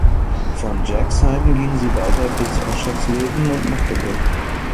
Von Jerxheim ging sie weiter bis Oschersleben und Magdeburg.